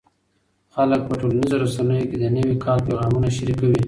خلک په ټولنیزو رسنیو کې د نوي کال پیغامونه شریکوي.